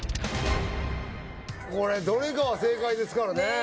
これどれかは正解ですからねねえ